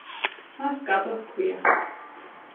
მას კატო ჰქვია.